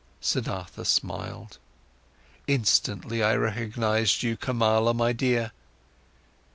Siddhartha smiled: "Instantly, I recognised you, Kamala, my dear."